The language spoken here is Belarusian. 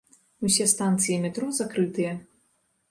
Усе станцыі метро закрытыя.